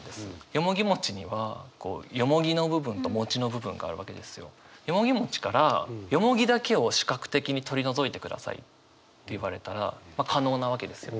よもぎにはよもぎの部分との部分がよもぎからよもぎだけを視覚的に取り除いてくださいって言われたら可能なわけですよ。